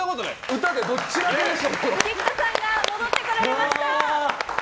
菊田さんが戻ってこられました。